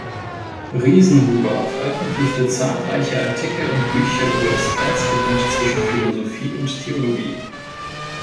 Riesenhuber veröffentlichte zahlreiche Artikel und Bücher über das Grenzgebiet zwischen Philosophie und Theologie.